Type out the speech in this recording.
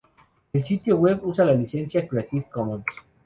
El sitio web usa la licencia Creative Commons.